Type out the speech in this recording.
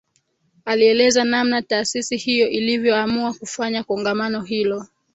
Alieleza namna Taasisi hiyo ilivyoamua kufanya Kongamano hilo